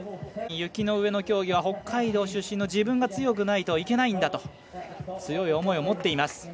雪の上の競技は北海道出身の自分が強くないといけないんだと強い思いを持っています。